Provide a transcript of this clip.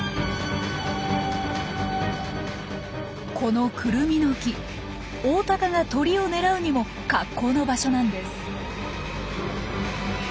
このクルミの木オオタカが鳥を狙うにも格好の場所なんです。